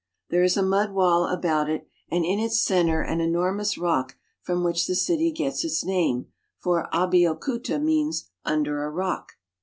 There is a mud wall about it, and in its center an enormous rock from which the city gets its name, for Abeokuta means " Under a Rock."